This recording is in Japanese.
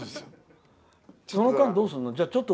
その間、どうするの？